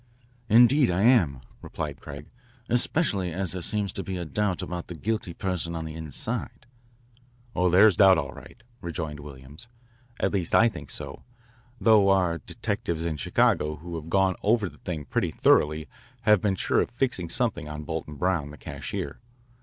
"Indeed I am," replied Craig, "especially as there seems to be a doubt about the guilty person on the inside." "There is doubt enough, all right," rejoined Williams, "at least I think so, though our detectives in Chicago who have gone over the thing pretty thoroughly have been sure of fixing something on Bolton Brown, the cashier.